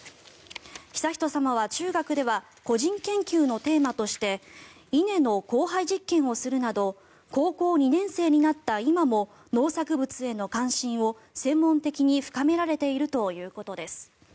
悠仁さまは中学では個人研究のテーマとして稲の交配実験をするなど高校２年生になった今も農作物への関心を専門的に深められているということです。